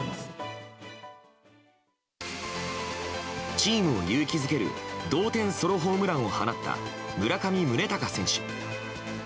チームを勇気づける同点ソロホームランを放った村上宗隆選手。